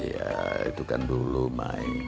iya itu kan dulu mai